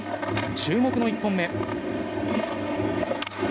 注目の１本目。